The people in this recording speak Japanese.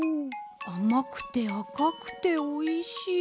あまくてあかくておいしい。